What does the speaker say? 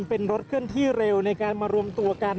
เป็นรถเคลื่อนที่เร็วในการมารวมตัวกัน